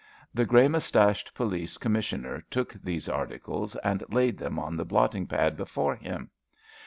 The grey moustached police commissioner took these articles, and laid them on the blotting pad before him.